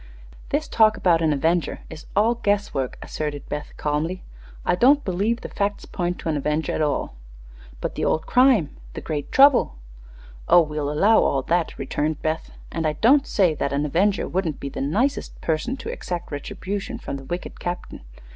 "This talk about an avenger is all guess work," asserted Beth, calmly. "I don't believe the facts point to an avenger at all." "But the old crime the great trouble " "Oh, we'll allow all that," returned Beth; "and I don't say that an avenger wouldn't be the nicest person to exact retribution from the wicked captain.